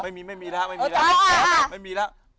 ไม่มีไม่มีแล้วไม่มีแล้ว